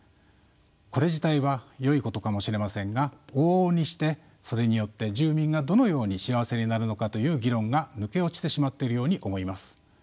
これ自体はよいことかもしれませんが往々にしてそれによって住民がどのように幸せになるのかという議論が抜け落ちてしまっているように思います。